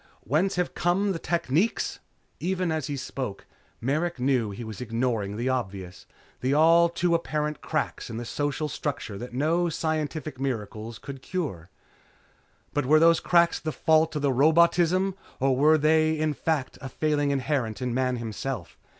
Whence have come the techniques?" Even as he spoke, Merrick knew he was ignoring the obvious, the all too apparent cracks in the social structure that no scientific miracles could cure. But were those cracks the fault of robotism or were they in fact a failing inherent in Man himself?